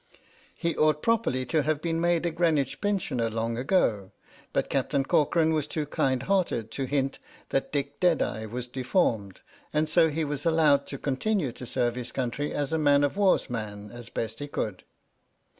He ought properly to have been made a Greenwich Pensioner long ago, but Captain Cor coran was too kind hearted to hint that Dick Dead eye was deformed, and so he was allowed to con tinue to serve his country as a man o' war's man as best he could.